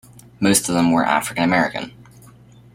Most of them were African-American.